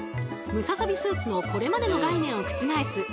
ムササビスーツのこれまでの概念を覆す